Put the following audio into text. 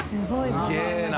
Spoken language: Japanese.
すげぇな。